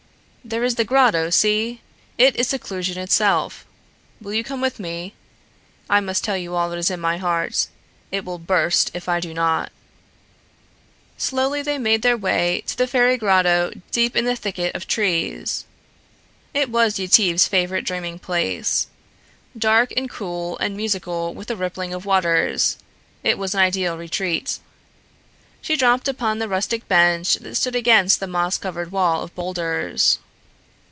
"There is the grotto see! It is seclusion itself. Will you come with me? I must tell you all that is in my heart. It will burst if I do not." Slowly they made their way to the fairy grotto deep in the thicket of trees. It was Yetive's favorite dreaming place. Dark and cool and musical with the rippling of waters, it was an ideal retreat. She dropped upon the rustic bench that stood against the moss covered wall of boulders.